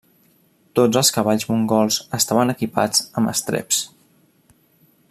Tots els cavalls mongols estaven equipats amb estreps.